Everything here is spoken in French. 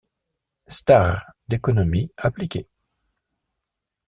Starr d'économie appliquée.